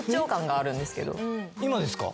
今ですか？